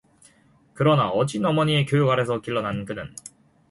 그러나 어진 어머니의 교육 아래서 길러난 그는